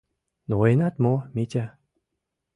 — Ноенат мо, Митя?